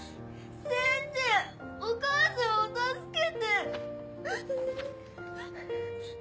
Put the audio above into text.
先生お母さんを助けて！